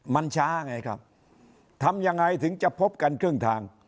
มันช้าไงครับทำยังไงถึงจะพบกันครึ่งทาง